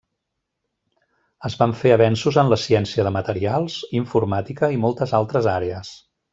Es van fer avenços en la ciència de materials, informàtica i moltes altres àrees.